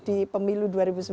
di pemilu dua ribu sembilan belas